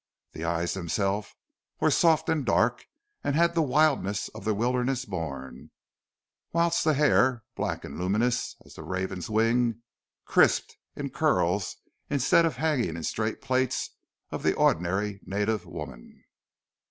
The eyes themselves were soft and dark and had the wildness of the wilderness born, whilst the hair, black and luminous as the raven's wing, crisped in curls instead of hanging in the straight plaits of the ordinary native woman.